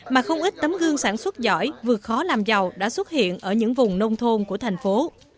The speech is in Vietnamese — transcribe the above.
mà không ít tấm gương sản xuất giỏi vượt khó làm giàu đã xuất hiện ở những vùng nông thôn của thành phố